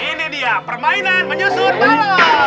ini dia permainan menyusur talong